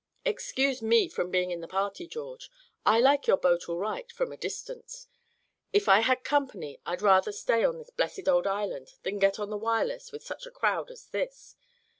Excuse me from being in the party, George. I like your boat all right from a distance. If I had company I'd rather stay on this blessed old island than get on the Wireless with such a crowd as this.